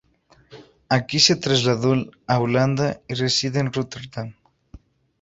Aki se trasladó a Holanda y reside en Rotterdam.